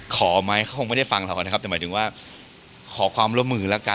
ขอไหมเขาคงไม่ได้ฟังเรานะครับแต่หมายถึงว่าขอความร่วมมือแล้วกัน